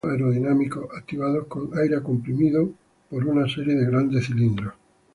Se añadieron frenos aerodinámicos, activados con aire comprimido por una serie de grandes cilindros.